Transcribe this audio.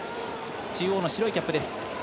中央の白いキャップです。